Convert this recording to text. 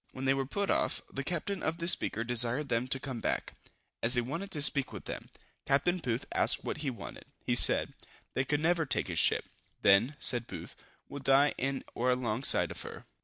When they were put off, the captain of the Speaker desired them to come back, as he wanted to speak with them. Capt. Booth asked what he wanted! He said, "they could never take his ship." "Then," said Booth, "we'll die in or alongside of her."